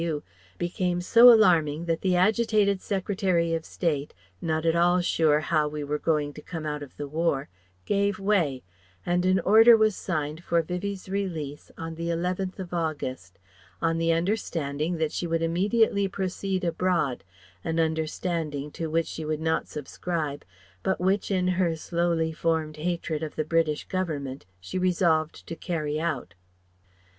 U. became so alarming that the agitated Secretary of State not at all sure how we were going to come out of the War gave way, and an order was signed for Vivie's release on the 11th of August; on the understanding that she would immediately proceed abroad; an understanding to which she would not subscribe but which in her slowly formed hatred of the British Government she resolved to carry out.